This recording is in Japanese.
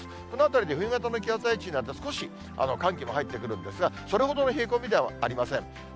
このあたりで冬型の気圧配置になって、少し寒気も入ってくるんですが、それほどの冷え込みではありません。